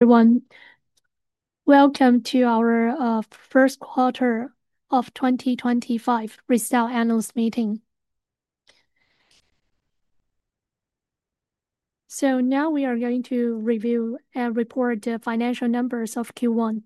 Everyone, welcome to our first quarter of 2025 result analyst meeting. Now we are going to review and report the financial numbers of Q1.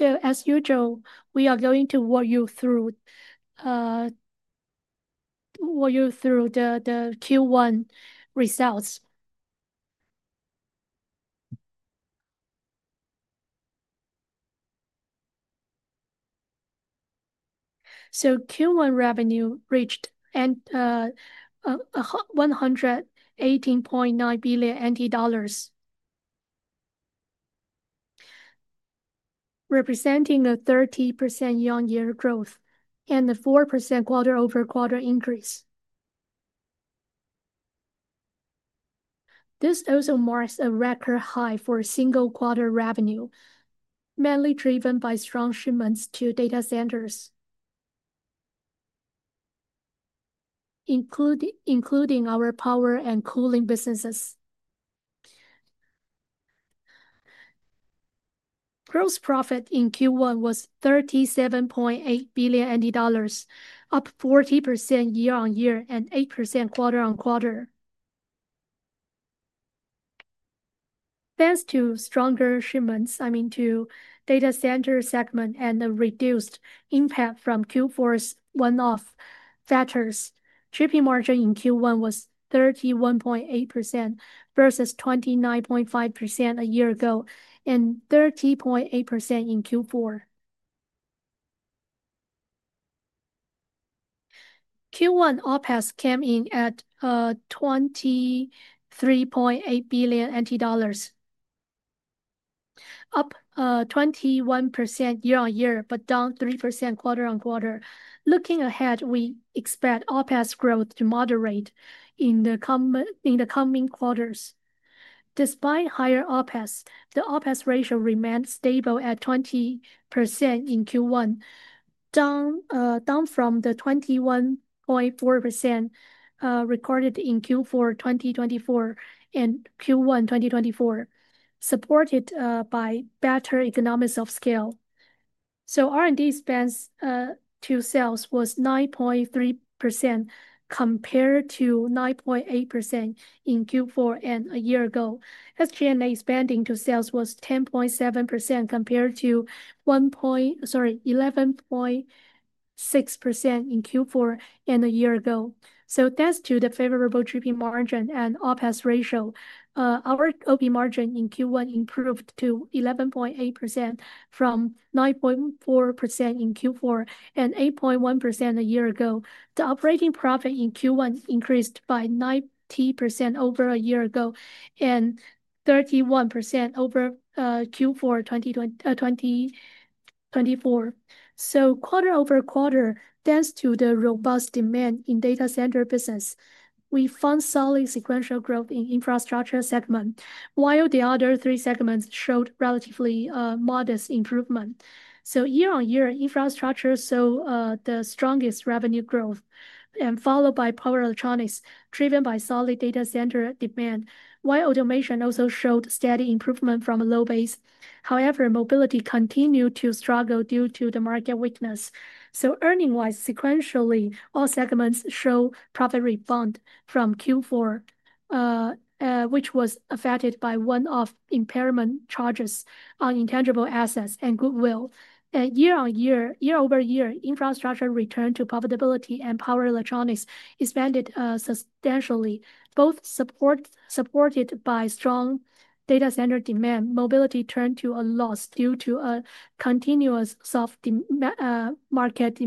As usual, we are going to walk you through, walk you through the Q1 results. Q1 revenue reached TWD $118.9 billion, representing a 30% year-on-year growth and a 4% quarter-over-quarter increase. This also marks a record high for single-quarter revenue, mainly driven by strong shipments to data centers, including our power and cooling businesses. Gross profit in Q1 was TWD $37.8 billion, up 40% year-on-year and 8% quarter-on-quarter. Thanks to stronger shipments, I mean, to data center segment and the reduced impact from Q4's one-off factors, gross profit margin in Q1 was 31.8% versus 29.5% a year ago and 30.8% in Q4. Q1 OPEX came in at TWD $23.8 billion, up 21% year-on-year but down 3% quarter-on-quarter. Looking ahead, we expect OPEX growth to moderate in the coming quarters. Despite higher OPEX, the OPEX ratio remained stable at 20% in Q1, down from the 21.4% recorded in Q4 2024 and Q1 2024, supported by better economics of scale. R&D expense to sales was 9.3% compared to 9.8% in Q4 and a year ago. SG&A spending to sales was 10.7% compared to 10.6% in Q4 and a year ago. Thanks to the favorable tripping margin and OPEX ratio, our OP margin in Q1 improved to 11.8% from 9.4% in Q4 and 8.1% a year ago. The operating profit in Q1 increased by 90% over a year ago and 31% over Q4 2024. Quarter-over-quarter, thanks to the robust demand in data center business, we found solid sequential growth in infrastructure segment, while the other three segments showed relatively modest improvement. Year-on-year, infrastructure saw the strongest revenue growth, followed by power electronics, driven by solid data center demand, while automation also showed steady improvement from a low base. However, mobility continued to struggle due to the market weakness. Earning-wise, sequentially, all segments showed profit rebound from Q4, which was affected by one-off impairment charges on intangible assets and goodwill. Year-over-year, infrastructure returned to profitability, and power electronics expanded substantially, both supported by strong data center demand. Mobility turned to a loss due to a continuous soft market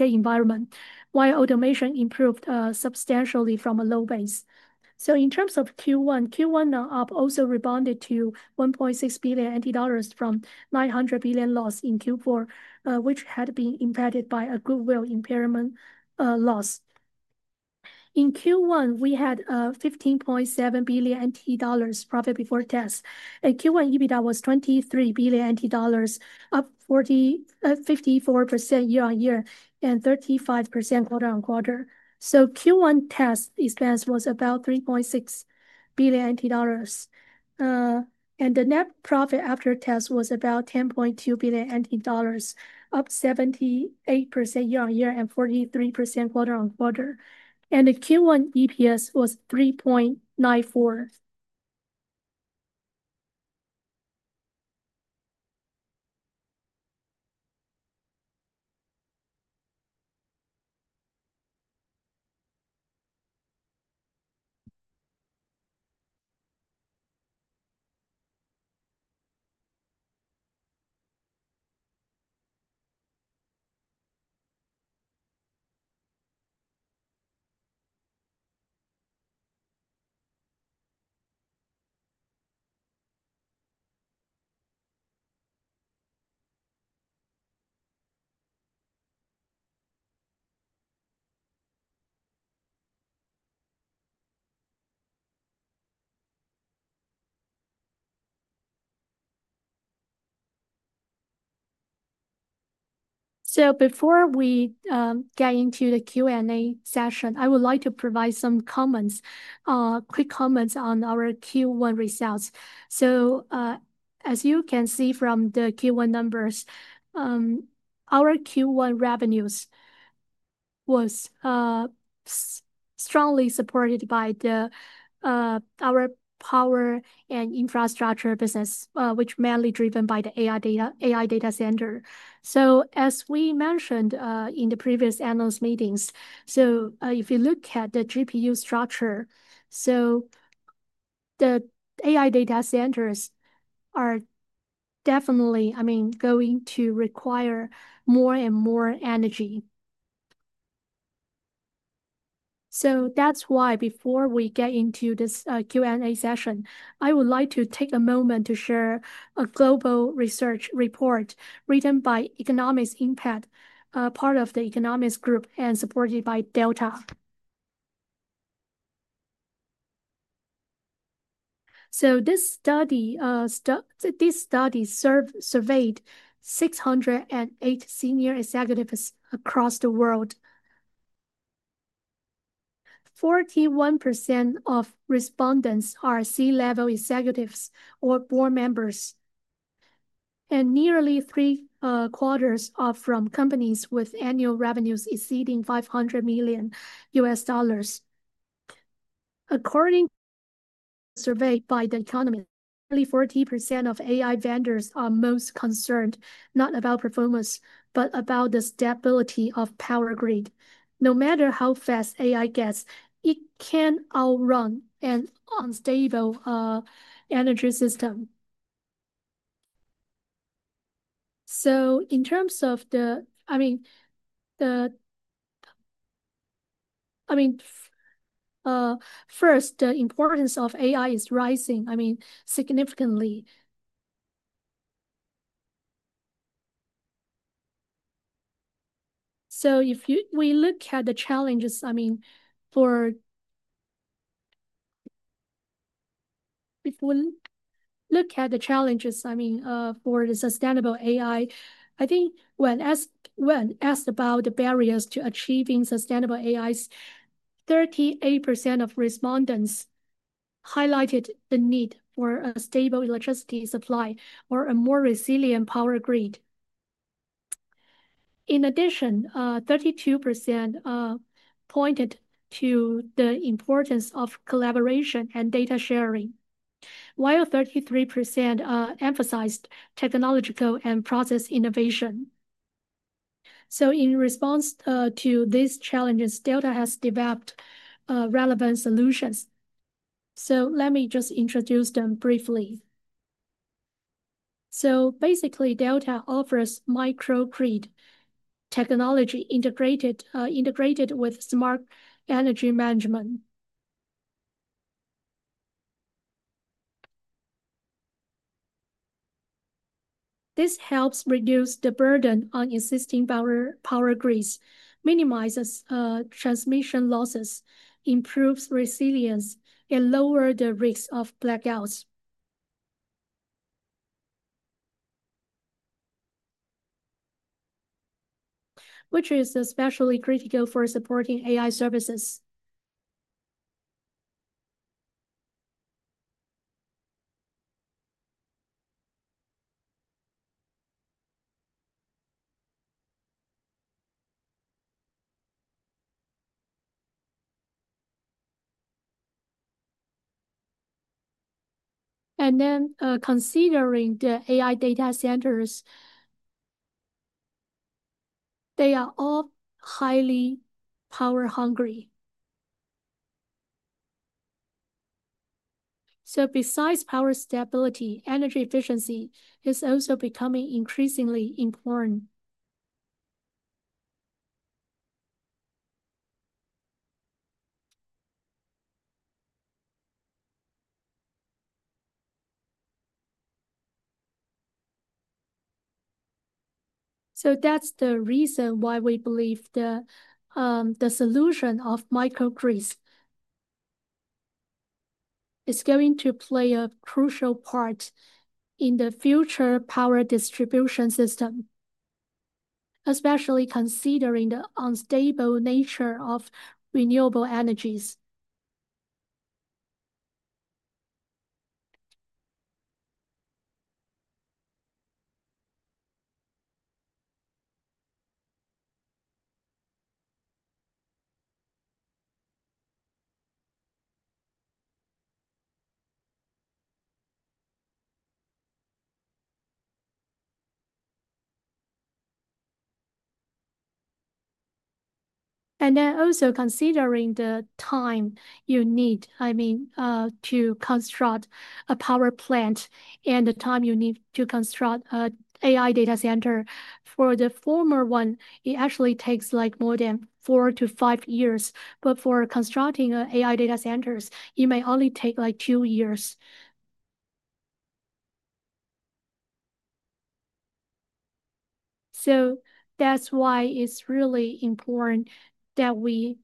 environment, while automation improved substantially from a low base. In terms of Q1, Q1 up also rebounded to 1.6 billion dollars from 900 million dollars loss in Q4, which had been impacted by a goodwill impairment loss. In Q1, we had 15.7 billion NT dollars profit before test. Q1 EBITDA was 23 billion NT dollars, up 54% year-on-year and 35% quarter-on-quarter. Q1 test expense was about 3.6 billion NT dollars. The net profit after test was about 10.2 billion NT dollars, up 78% year-on-year and 43% quarter-on-quarter. Q1 EPS was TWD 3.94. Before we get into the Q&A session, I would like to provide some comments, quick comments on our Q1 results. As you can see from the Q1 numbers, our Q1 revenues were strongly supported by our power and infrastructure business, which is mainly driven by the AI data center. As we mentioned in the previous analyst meetings, if you look at the GPU structure, the AI data centers are definitely, I mean, going to require more and more energy. That is why before we get into this Q&A session, I would like to take a moment to share a global research report written by Economist Impact, part of the Economist Group and supported by Delta. This study surveyed 608 senior executives across the world. 41% of respondents are C-level executives or board members, and nearly three quarters are from companies with annual revenues exceeding $500 million. According to a survey by The Economist, nearly 40% of AI vendors are most concerned not about performance, but about the stability of the power grid. No matter how fast AI gets, it can outrun an unstable energy system. In terms of the, I mean, the, I mean, first, the importance of AI is rising, I mean, significantly. If we look at the challenges, I mean, for the sustainable AI, I think when asked about the barriers to achieving sustainable AI, 38% of respondents highlighted the need for a stable electricity supply or a more resilient power grid. In addition, 32% pointed to the importance of collaboration and data sharing, while 33% emphasized technological and process innovation. In response to these challenges, Delta has developed relevant solutions. Let me just introduce them briefly. Basically, Delta offers microgrid technology integrated with smart energy management. This helps reduce the burden on existing power grids, minimizes transmission losses, improves resilience, and lowers the risk of blackouts, which is especially critical for supporting AI services. Considering the AI data centers, they are all highly power-hungry. Besides power stability, energy efficiency is also becoming increasingly important. That's the reason why we believe the solution of microgrids is going to play a crucial part in the future power distribution system, especially considering the unstable nature of renewable energies. Also considering the time you need, I mean, to construct a power plant and the time you need to construct an AI data center. For the former one, it actually takes more than four to five years, but for constructing AI data centers, it may only take two years. That's why it's really important that we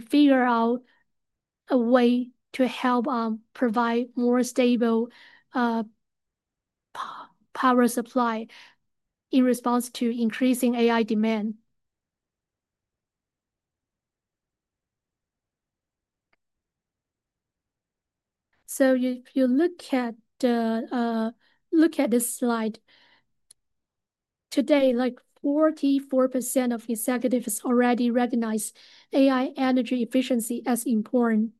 figure out a way to help provide more stable power supply in response to increasing AI demand. If you look at this slide, today, 44% of executives already recognize AI energy efficiency as important.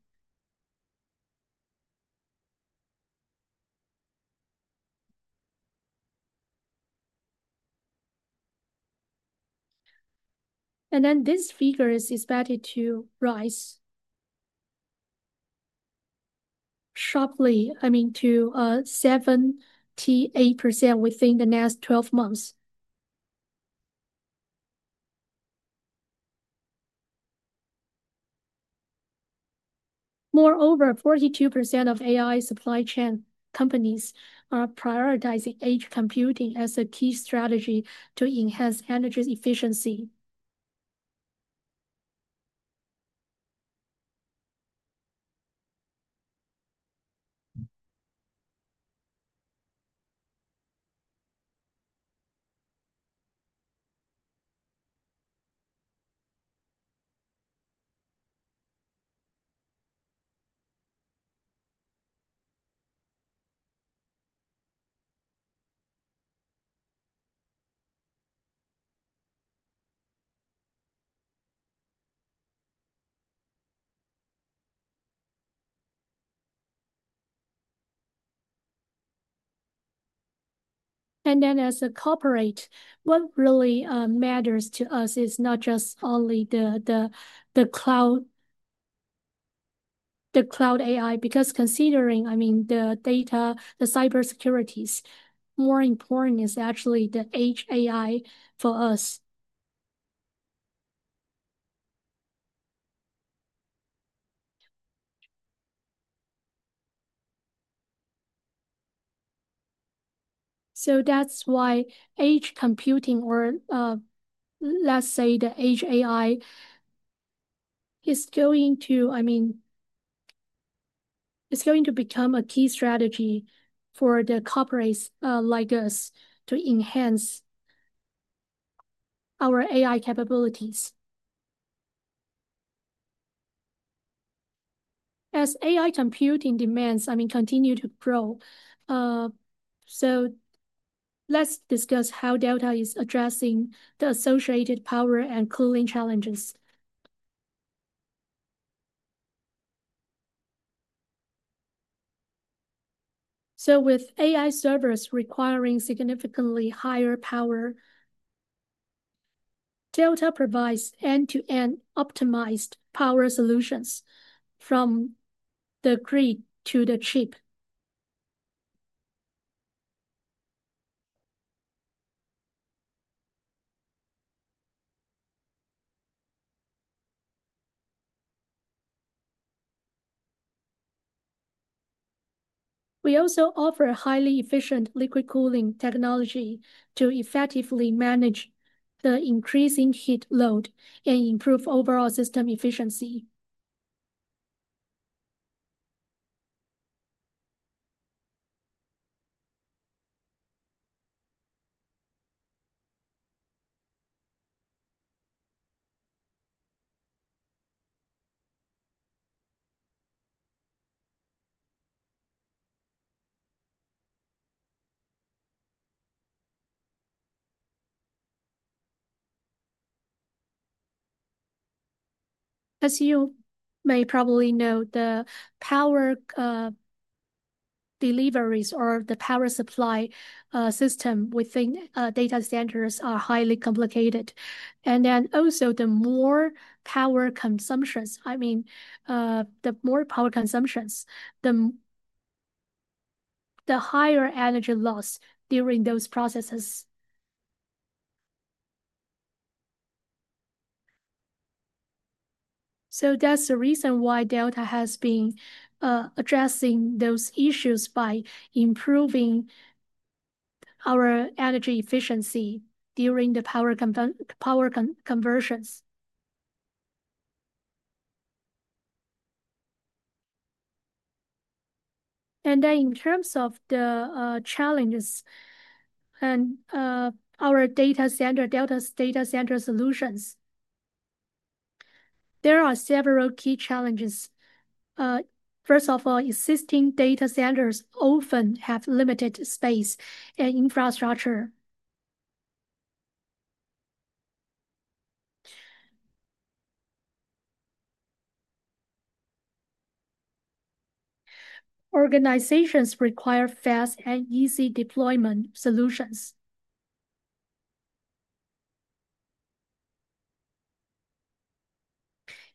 This figure is expected to rise sharply, I mean, to 78% within the next 12 months. Moreover, 42% of AI supply chain companies are prioritizing edge computing as a key strategy to enhance energy efficiency. What really matters to us is not just only the cloud, the cloud AI, because considering, I mean, the data, the cybersecurities, more important is actually the edge AI for us. That is why edge computing, or let's say the edge AI, is going to, I mean, is going to become a key strategy for the corporates like us to enhance our AI capabilities. As AI computing demands, I mean, continue to grow. Let's discuss how Delta is addressing the associated power and cooling challenges. With AI servers requiring significantly higher power, Delta provides end-to-end optimized power solutions from the grid to the chip. We also offer highly efficient liquid cooling technology to effectively manage the increasing heat load and improve overall system efficiency. As you may probably know, the power deliveries or the power supply system within data centers are highly complicated. I mean, the more power consumptions, the higher energy loss during those processes. That is the reason why Delta has been addressing those issues by improving our energy efficiency during the power conversions. In terms of the challenges and our data center, Delta's data center solutions, there are several key challenges. First of all, existing data centers often have limited space and infrastructure. Organizations require fast and easy deployment solutions.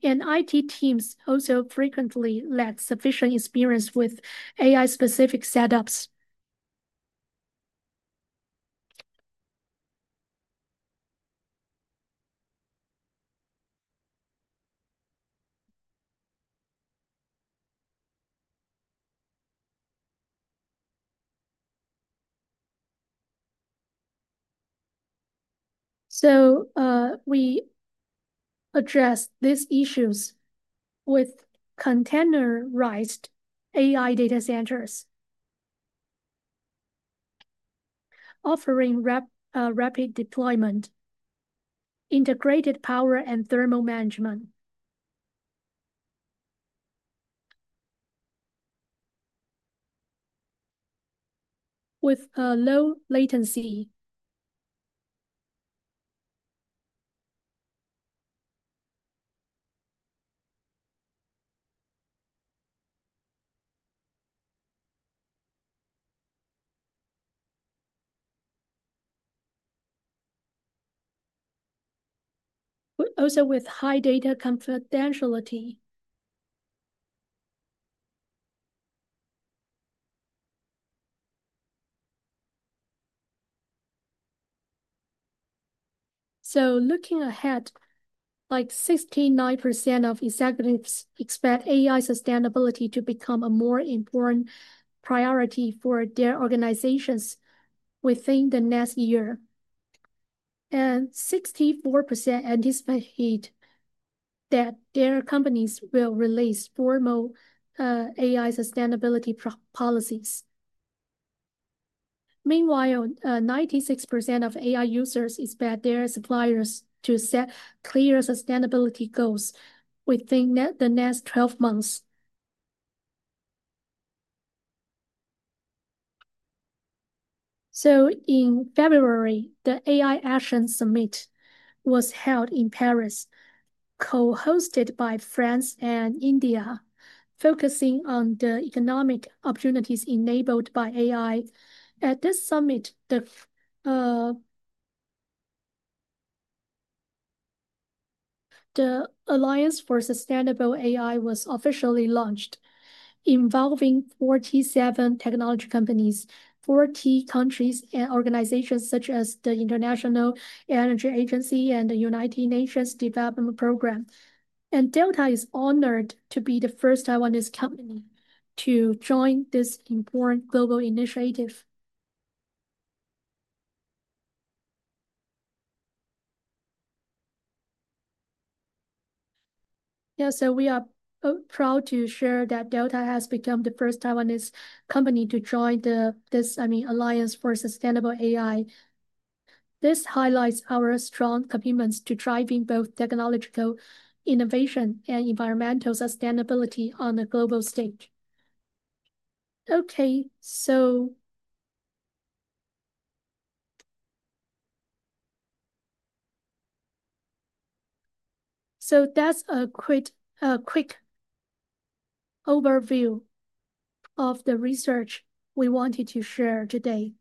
IT teams also frequently lack sufficient experience with AI-specific setups. We address these issues with containerized AI data centers, offering rapid deployment, integrated power, and thermal management with low latency. Also with high data confidentiality. Looking ahead, like 69% of executives expect AI sustainability to become a more important priority for their organizations within the next year. 64% anticipate that their companies will release formal AI sustainability policies. Meanwhile, 96% of AI users expect their suppliers to set clear sustainability goals within the next 12 months. In February, the AI Action Summit was held in Paris, co-hosted by France and India, focusing on the economic opportunities enabled by AI. At this summit, the Alliance for Sustainable AI was officially launched, involving 47 technology companies, 40 countries, and organizations such as the International Energy Agency and the United Nations Development Programme. Delta is honored to be the first Taiwanese company to join this important global initiative. Yeah, we are proud to share that Delta has become the first Taiwanese company to join this, I mean, Alliance for Sustainable AI. This highlights our strong commitments to driving both technological innovation and environmental sustainability on the global stage. Okay, that's a quick overview of the research we wanted to share today.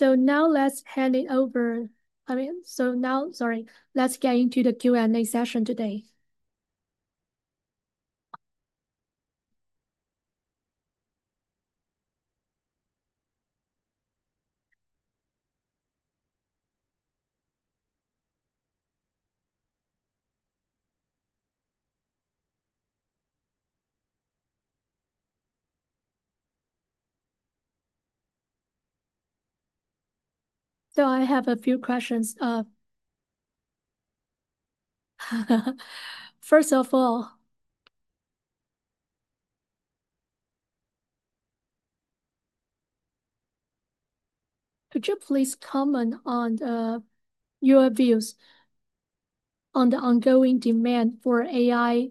Now let's get into the Q&A session today. I have a few questions. First of all, could you please comment on your views on the ongoing demand for AI,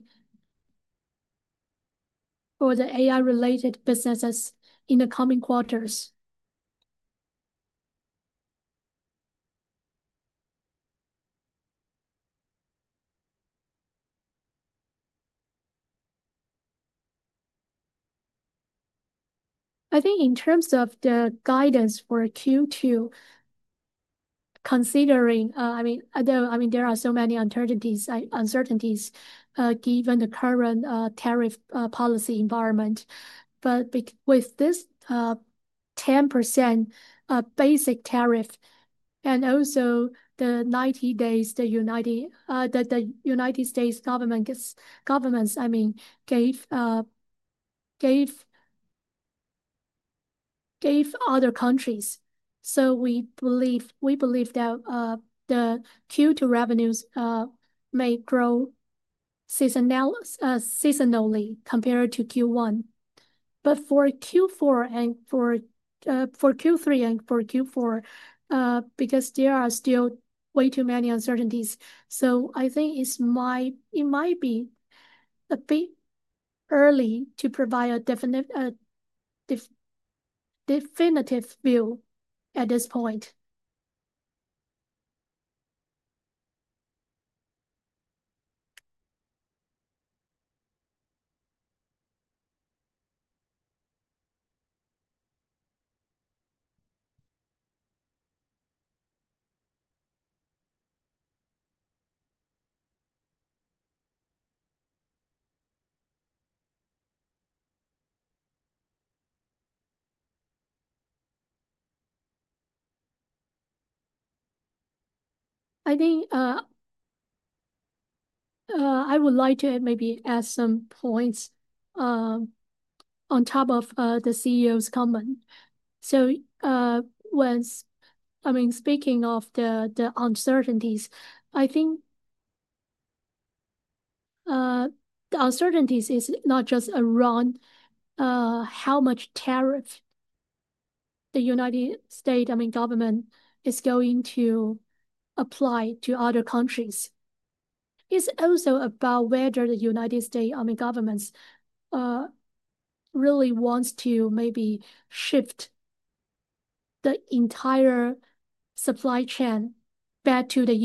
for the AI-related businesses in the coming quarters? I think in terms of the guidance for Q2, considering there are so many uncertainties given the current tariff policy environment. With this 10% basic tariff and also the 90 days the United States government gave other countries, we believe that the Q2 revenues may grow seasonally compared to Q1. For Q4 and for Q3 and for Q4, because there are still way too many uncertainties. I think it might be a bit early to provide a definitive view at this point. I think I would like to maybe add some points on top of the CEO's comment. Once, I mean, speaking of the uncertainties, I think the uncertainties is not just around how much tariff the U.S., I mean, government is going to apply to other countries. It's also about whether the U.S., I mean, government really wants to maybe shift the entire supply chain back to the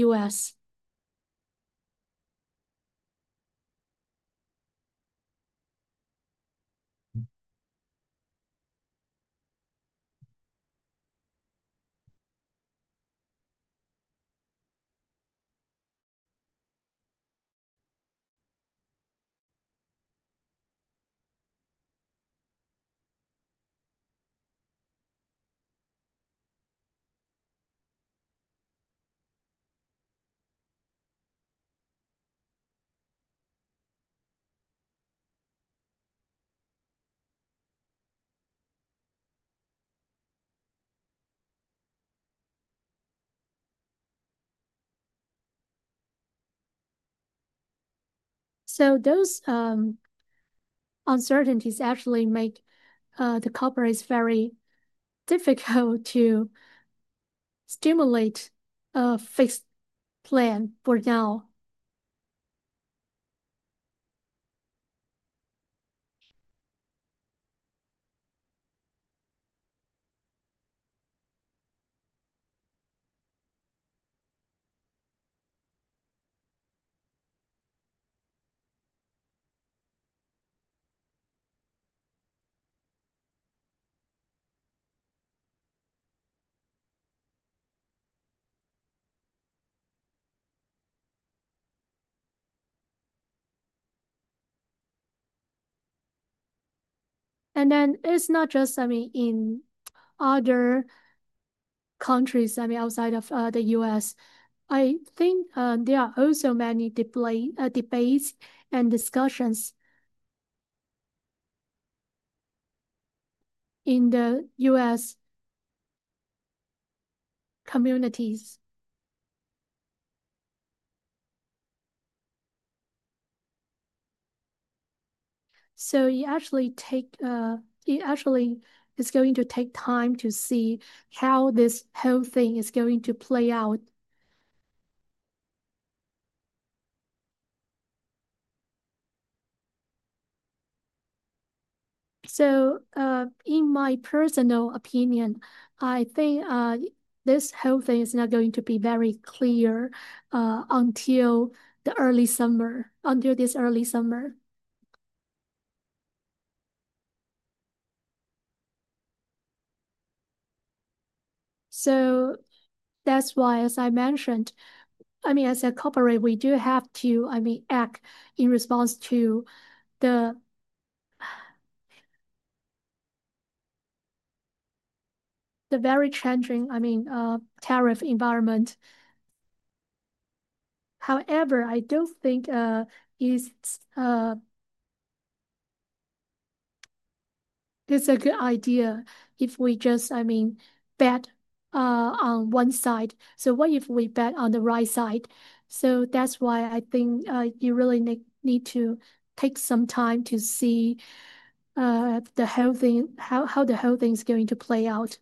U.S. Those uncertainties actually make the corporates very difficult to stimulate a fixed plan for now. It's not just, I mean, in other countries, I mean, outside of the U.S. I think there are also many debates and discussions in the U.S. communities. It actually takes, it actually is going to take time to see how this whole thing is going to play out. In my personal opinion, I think this whole thing is not going to be very clear until the early summer, until this early summer. That is why, as I mentioned, I mean, as a corporate, we do have to, I mean, act in response to the very changing, I mean, tariff environment. However, I do not think it is a good idea if we just, I mean, bet on one side. What if we bet on the right side? That is why I think you really need to take some time to see how the whole thing is going to play out.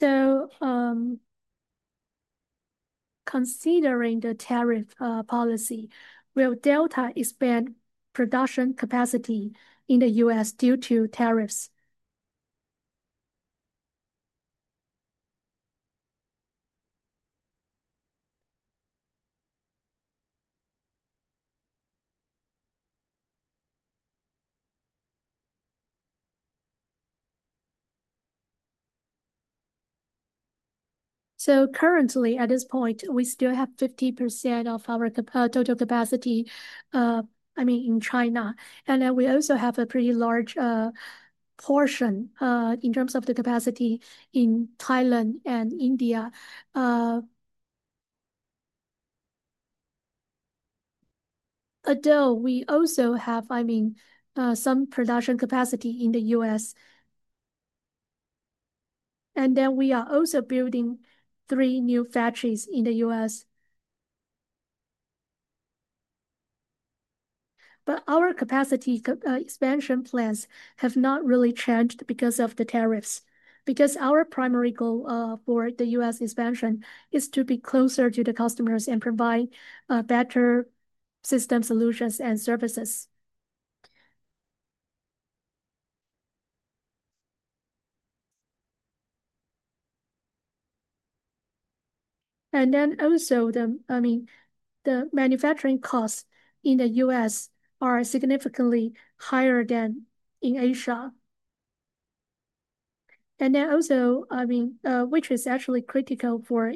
Considering the tariff policy, will Delta expand production capacity in the U.S. due to tariffs? Currently, at this point, we still have 50% of our total capacity, I mean, in China. We also have a pretty large portion in terms of the capacity in Thailand and India. Although we also have, I mean, some production capacity in the US. We are also building three new factories in the US. Our capacity expansion plans have not really changed because of the tariffs. Our primary goal for the US expansion is to be closer to the customers and provide better system solutions and services. Also, I mean, the manufacturing costs in the US are significantly higher than in Asia. That is actually critical for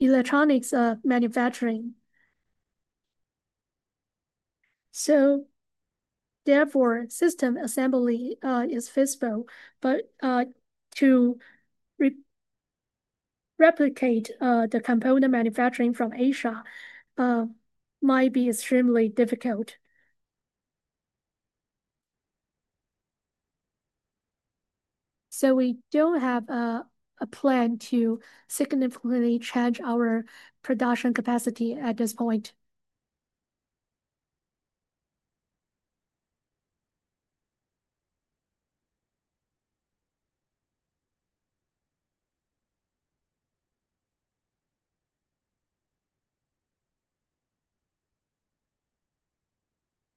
electronics manufacturing. Therefore, system assembly is feasible, but to replicate the component manufacturing from Asia might be extremely difficult. We don't have a plan to significantly change our production capacity at this point.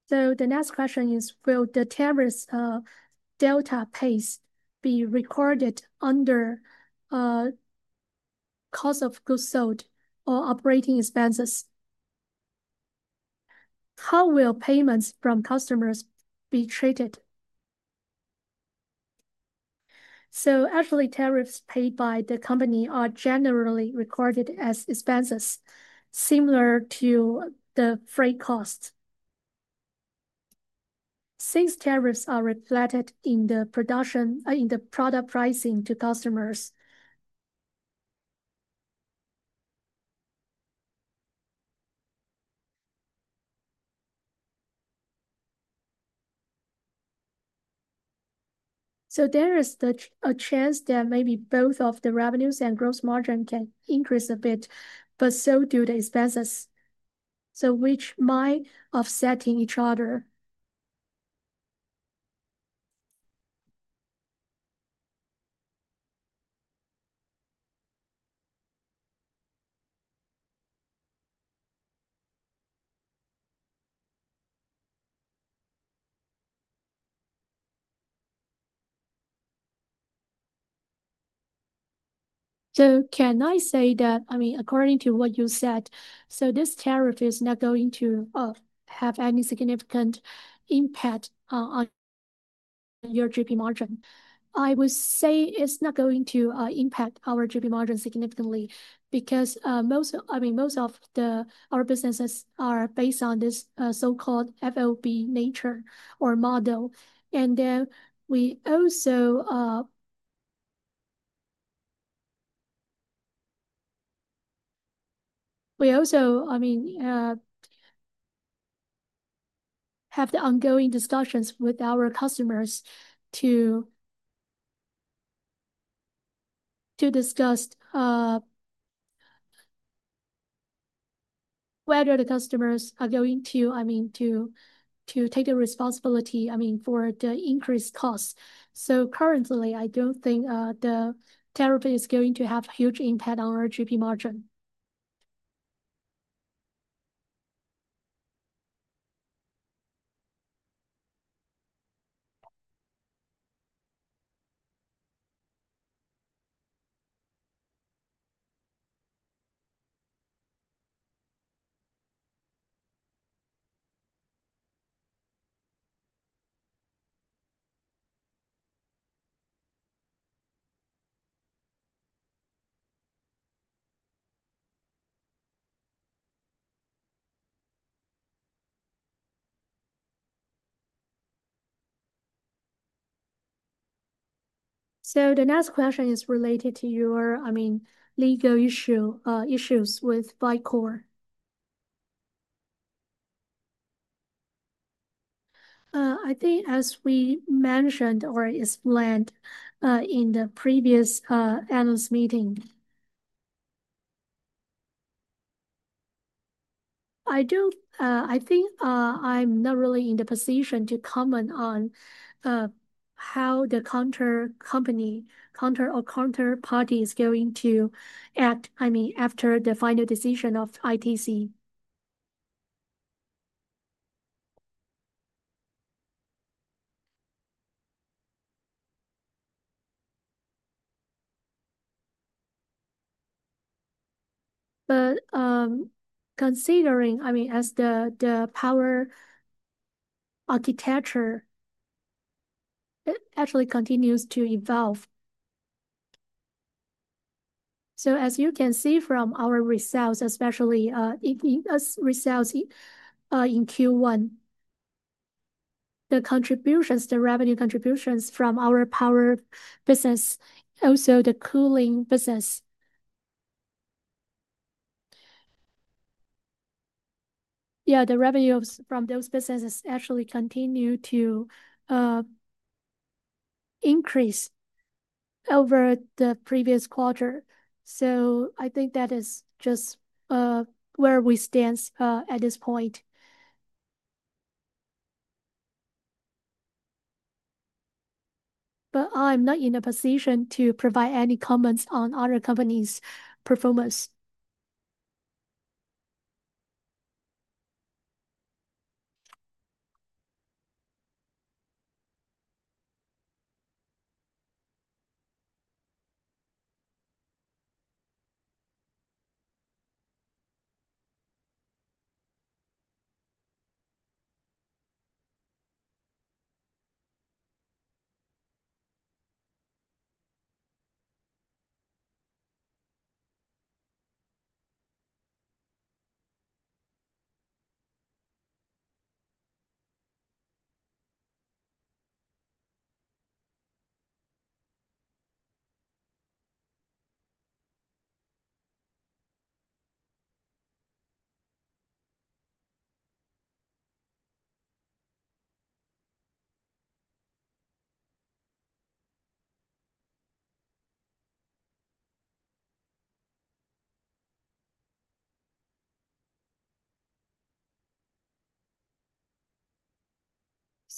The next question is, will the tariffs Delta pay be recorded under cost of goods sold or operating expenses? How will payments from customers be treated? Actually, tariffs paid by the company are generally recorded as expenses, similar to the freight costs. Since tariffs are reflected in the product pricing to customers, there is a chance that maybe both the revenues and gross margin can increase a bit, but so do the expenses, which might offset each other. Can I say that, I mean, according to what you said, this tariff is not going to have any significant impact on your GP margin? I would say it's not going to impact our GP margin significantly because most, I mean, most of our businesses are based on this so-called FOB nature or model. Then we also, I mean, have the ongoing discussions with our customers to discuss whether the customers are going to, I mean, to take the responsibility, I mean, for the increased costs. Currently, I don't think the tariff is going to have a huge impact on our GP margin. The next question is related to your, I mean, legal issues with Vicor. I think as we mentioned or explained in the previous analyst meeting, I think I'm not really in the position to comment on how the counter company or counterparty is going to act, I mean, after the final decision of ITC. Considering, I mean, as the power architecture actually continues to evolve. As you can see from our results, especially results in Q1, the revenue contributions from our power business, also the cooling business. Yeah, the revenues from those businesses actually continue to increase over the previous quarter. I think that is just where we stand at this point. I'm not in a position to provide any comments on other companies' performance.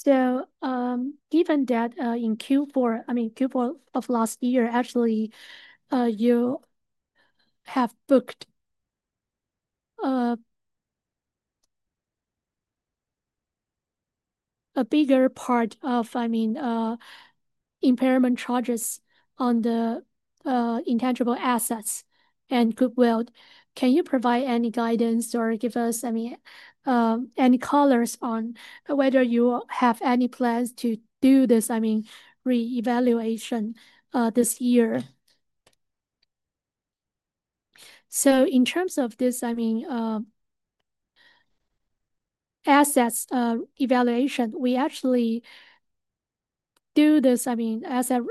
Given that in Q4, I mean, Q4 of last year, actually, you have booked a bigger part of, I mean, impairment charges on the intangible assets and goodwill. Can you provide any guidance or give us, I mean, any colors on whether you have any plans to do this, I mean, reevaluation this year? In terms of this, I mean, assets evaluation, we actually do this, I mean, asset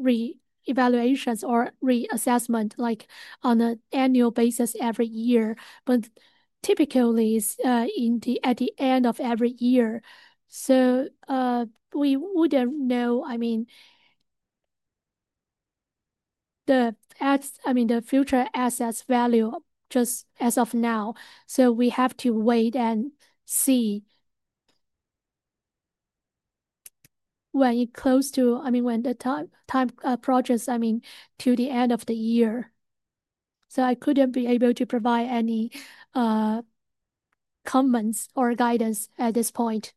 reevaluations or reassessment on an annual basis every year. Typically, it's at the end of every year. We wouldn't know, I mean, the future assets value just as of now. We have to wait and see when it's close to, I mean, when the time projects, I mean, to the end of the year. I couldn't be able to provide any comments or guidance at this point.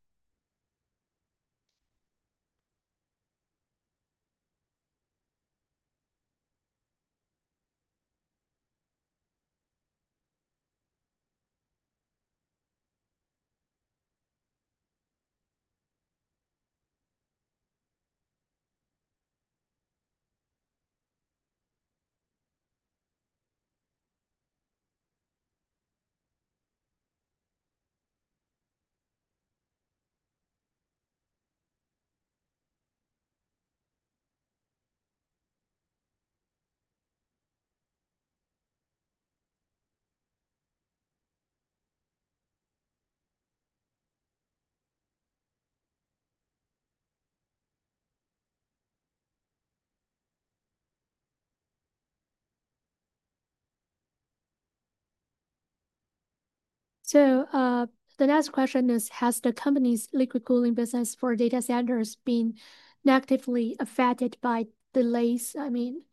The next question is, has the company's liquid cooling business for data centers been negatively affected by delays? I mean,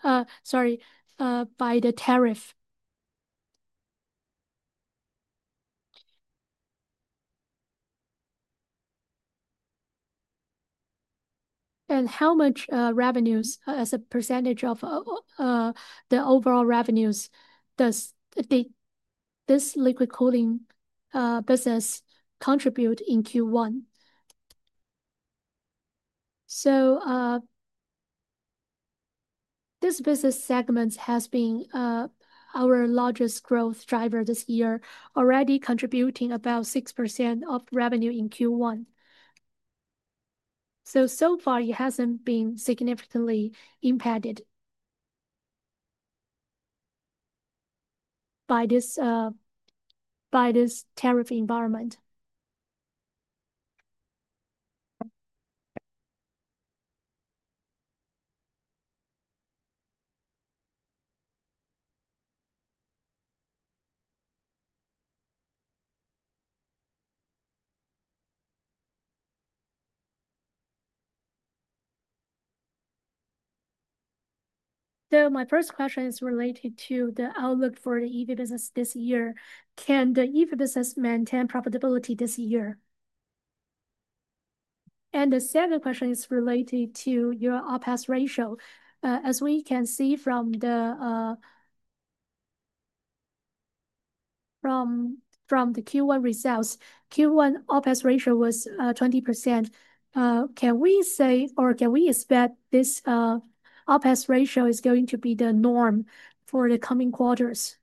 sorry, by the tariff. How much revenues, as a percentage of the overall revenues, does this liquid cooling business contribute in Q1? This business segment has been our largest growth driver this year, already contributing about 6% of revenue in Q1. So far, it hasn't been significantly impacted by this tariff environment. My first question is related to the outlook for the EV business this year. Can the EV business maintain profitability this year? The second question is related to your OPEX ratio. As we can see from the Q1 results, Q1 OPEX ratio was 20%. Can we say or can we expect this OPEX ratio is going to be the norm for the coming quarters?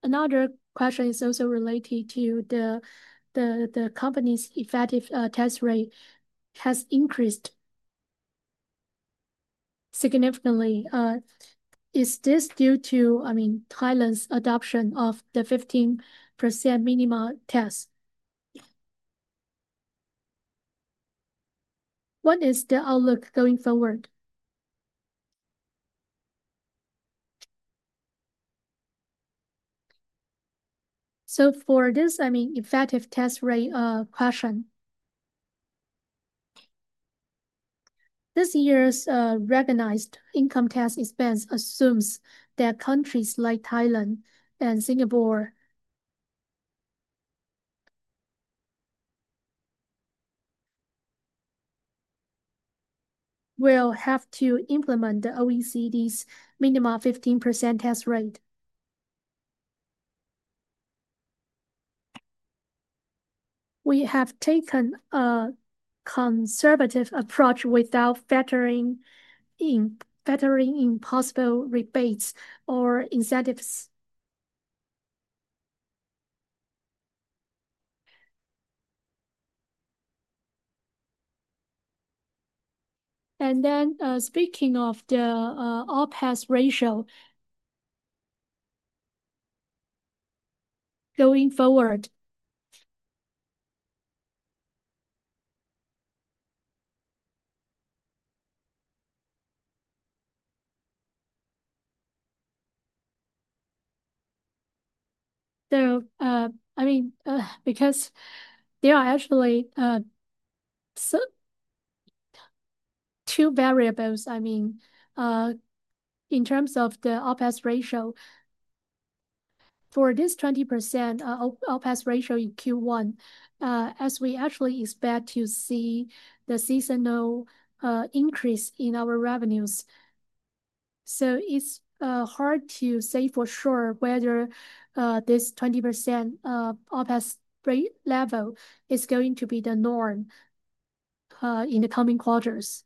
Another question is also related to the company's effective tax rate has increased significantly. Is this due to, I mean, Thailand's adoption of the 15% minimum tax? What is the outlook going forward? For this, I mean, effective tax rate question. This year's recognized income tax expense assumes that countries like Thailand and Singapore will have to implement the OECD's minimum 15% tax rate. We have taken a conservative approach without factoring in possible rebates or incentives. Speaking of the OPEX ratio going forward, I mean, because there are actually two variables, I mean, in terms of the OPEX ratio. For this 20% OPEX ratio in Q1, as we actually expect to see the seasonal increase in our revenues, it is hard to say for sure whether this 20% OPEX rate level is going to be the norm in the coming quarters.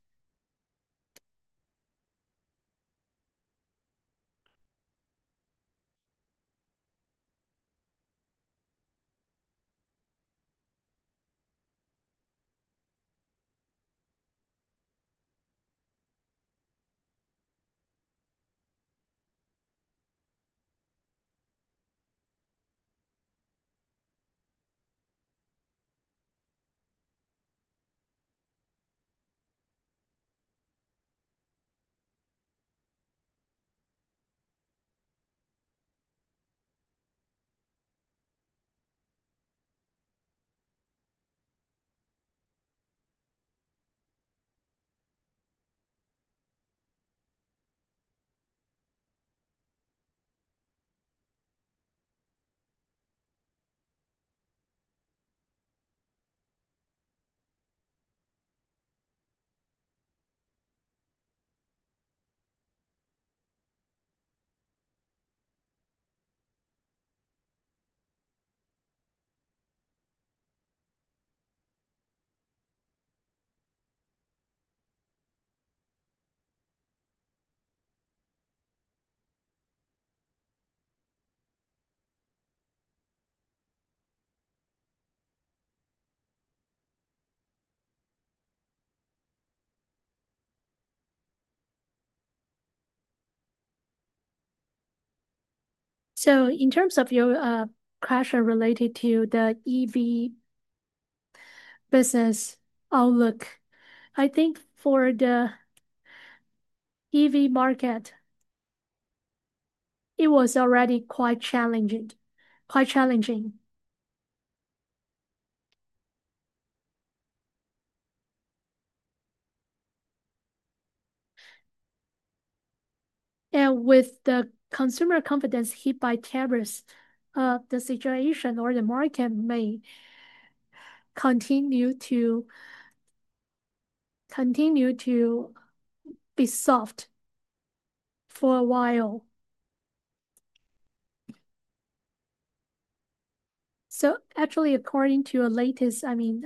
In terms of your question related to the EV business outlook, I think for the EV market, it was already quite challenging. With the consumer confidence hit by tariffs, the situation or the market may continue to be soft for a while. Actually, according to a latest, I mean,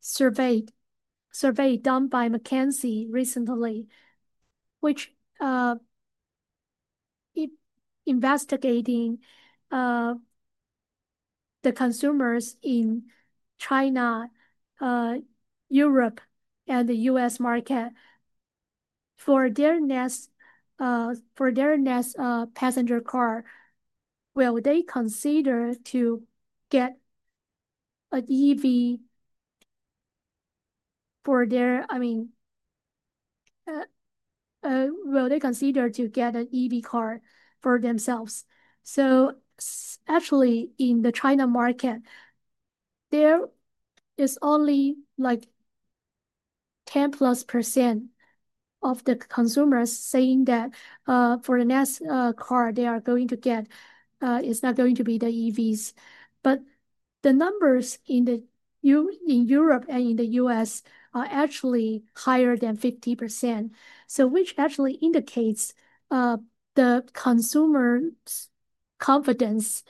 survey done by McKinsey recently, which is investigating the consumers in China, Europe, and the U.S. market for their next passenger car, will they consider to get an EV for their, I mean, will they consider to get an EV car for themselves? Actually, in the China market, there is only like 10+% of the consumers saying that for the next car they are going to get, it is not going to be the EVs. The numbers in Europe and in the U.S. are actually higher than 50%, which actually indicates the consumer confidence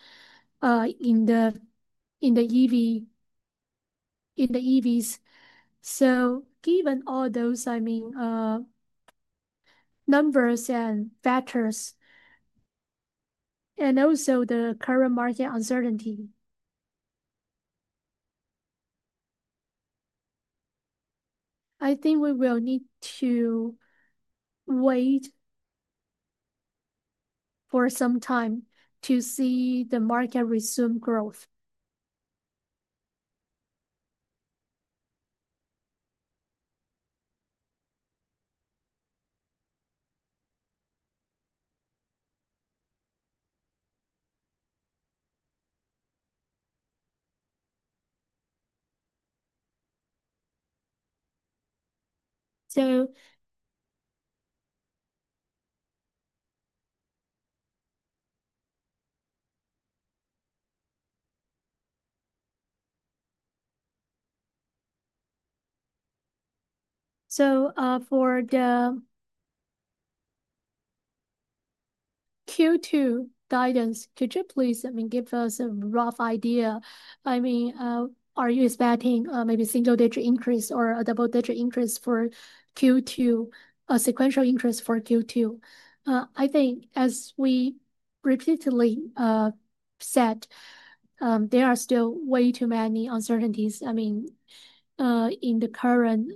in the EVs. Given all those, I mean, numbers and factors, and also the current market uncertainty, I think we will need to wait for some time to see the market resume growth. For the Q2 guidance, could you please give us a rough idea? I mean, are you expecting maybe single-digit increase or a double-digit increase for Q2, a sequential increase for Q2? I think as we repeatedly said, there are still way too many uncertainties in the current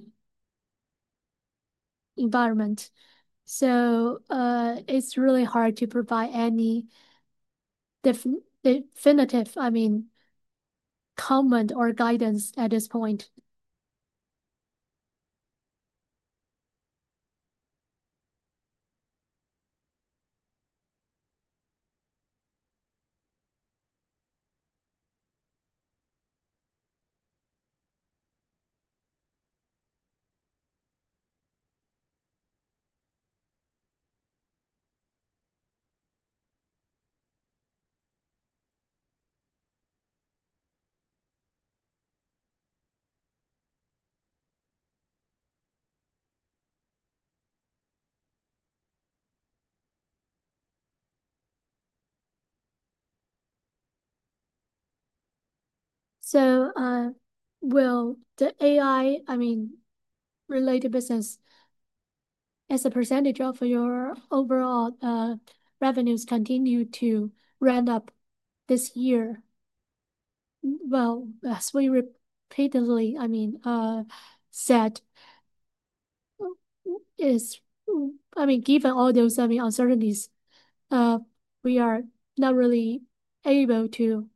environment. It is really hard to provide any definitive comment or guidance at this point. Will the AI-related business, as a percentage of your overall revenues, continue to ramp up this year? As we repeatedly said, given all those uncertainties, we are not really able to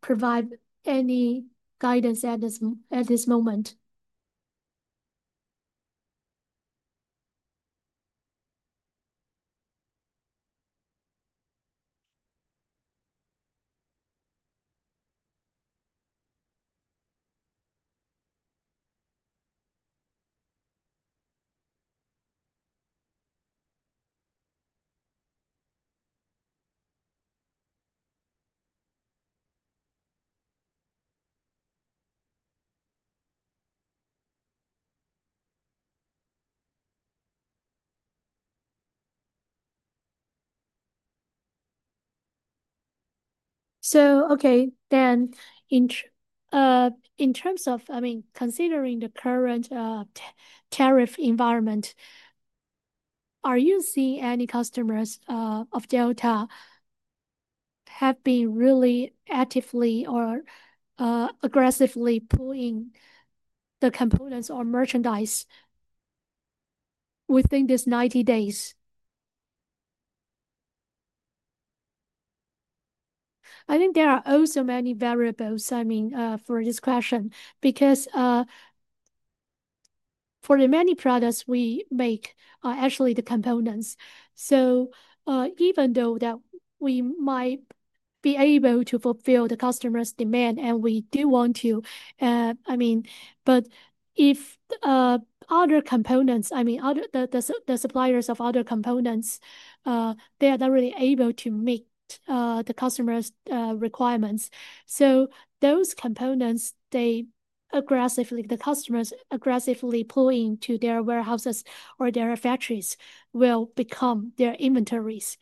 provide any guidance at this moment. Okay, then in terms of, I mean, considering the current tariff environment, are you seeing any customers of Delta have been really actively or aggressively pulling the components or merchandise within these 90 days? I think there are also many variables, I mean, for this question, because for the many products we make, actually the components. Even though we might be able to fulfill the customer's demand and we do want to, I mean, but if other components, I mean, the suppliers of other components, they are not really able to meet the customer's requirements. Those components the customers aggressively pull into their warehouses or their factories will become their inventories.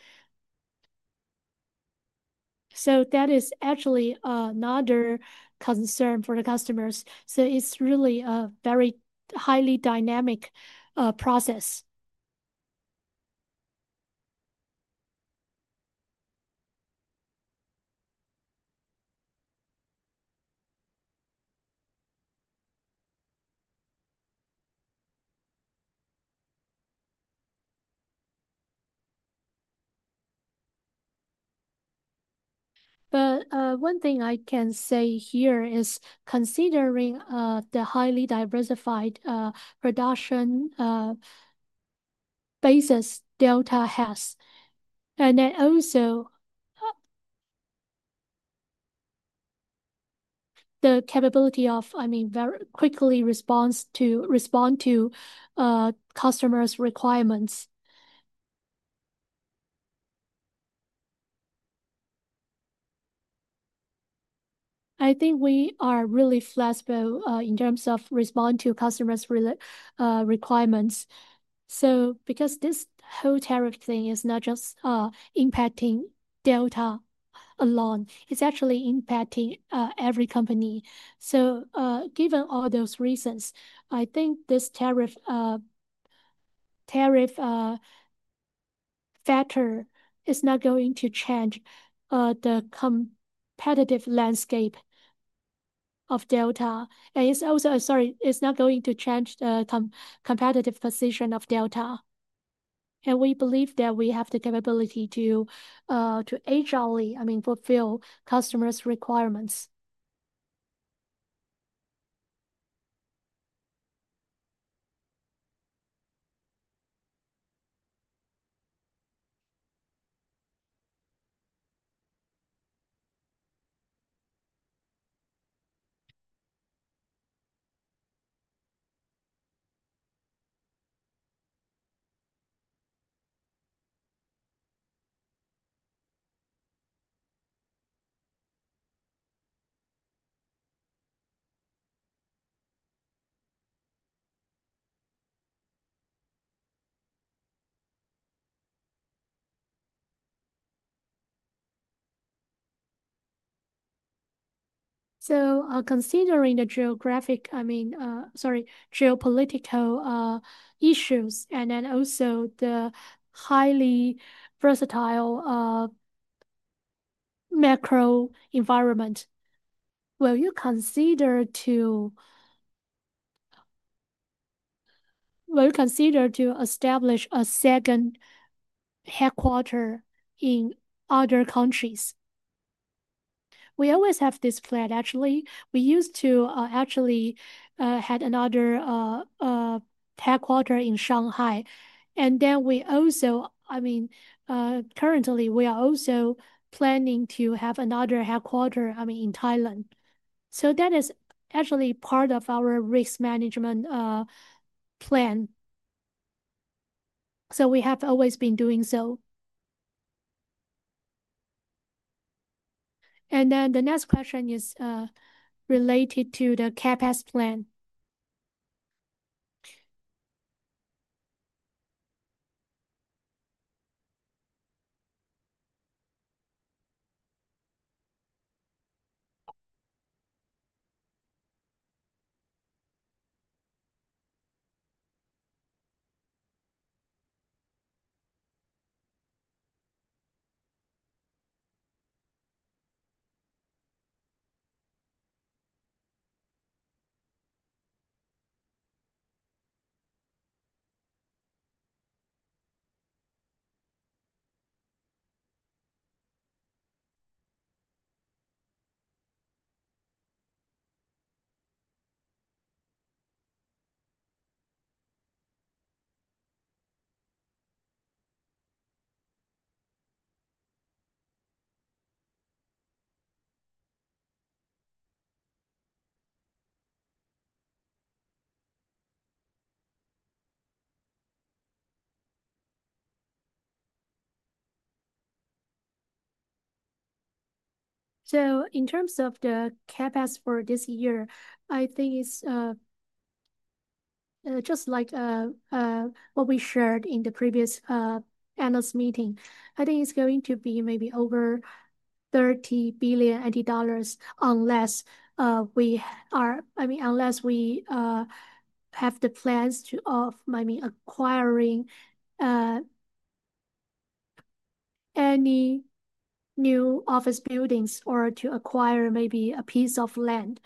That is actually another concern for the customers. It is really a very highly dynamic process. One thing I can say here is considering the highly diversified production basis Delta has, and then also the capability of, I mean, very quickly respond to customers' requirements. I think we are really flexible in terms of responding to customers' requirements. This whole tariff thing is not just impacting Delta alone; it's actually impacting every company. Given all those reasons, I think this tariff factor is not going to change the competitive landscape of Delta. It's also, sorry, it's not going to change the competitive position of Delta. We believe that we have the capability to agilely, I mean, fulfill customers' requirements. Considering the geographic, I mean, sorry, geopolitical issues, and then also the highly versatile macro environment, will you consider to establish a second headquarter in other countries? We always have this plan, actually. We used to actually have another headquarter in Shanghai. I mean, currently we are also planning to have another headquarter, I mean, in Thailand. That is actually part of our risk management plan. We have always been doing so. The next question is related to the CapEx plan. In terms of the CapEx for this year, I think it's just like what we shared in the previous analyst meeting. I think it's going to be maybe over 30 billion dollars unless we are, I mean, unless we have the plans of, I mean, acquiring any new office buildings or to acquire maybe a piece of land.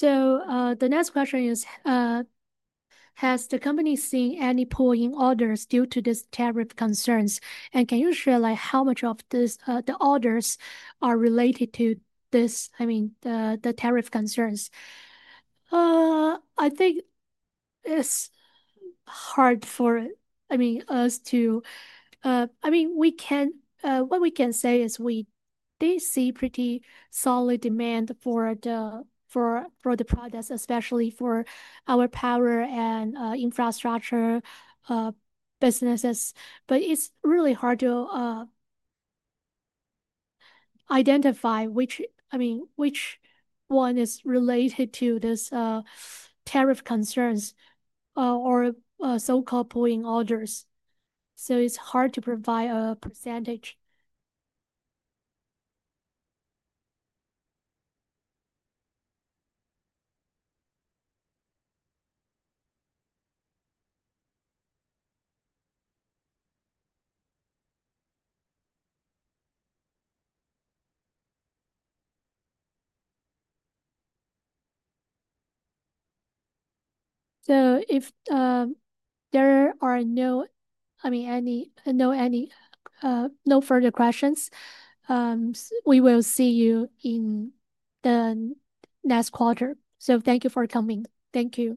The next question is, has the company seen any pooling orders due to these tariff concerns? Can you share how much of the orders are related to this, I mean, the tariff concerns? I think it's hard for, I mean, us to, I mean, we can, what we can say is we did see pretty solid demand for the products, especially for our power and infrastructure businesses. But it's really hard to identify which, I mean, which one is related to these tariff concerns or so-called pooling orders. It's hard to provide a percentage. If there are no, I mean, no further questions, we will see you in the next quarter. Thank you for coming. Thank you.